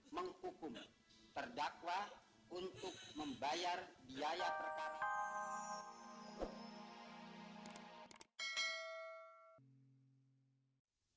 menghukum terdakwa untuk membayar biaya perkara